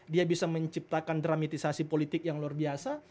dia bisa menciptakan dramatisasi politik yang luar biasa